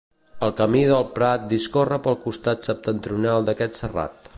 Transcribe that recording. El Camí del Prat discorre pel costat septentrional d'aquest serrat.